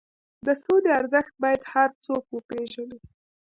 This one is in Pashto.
د سولې ارزښت باید هر څوک وپېژني.